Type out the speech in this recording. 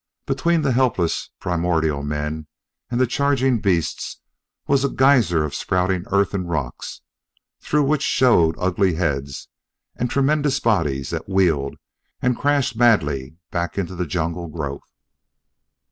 Between the helpless, primordial men and the charging beasts was a geyser of spouting earth and rocks, through which showed ugly heads and tremendous bodies that wheeled and crashed madly back into the jungle growth.